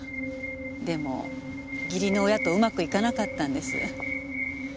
でも義理の親とうまくいかなかったんです。